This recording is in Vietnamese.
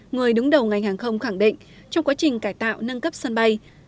người đứng đầu ngành hàng không khẳng định trong quá trình cải tạo nâng cấp sân bay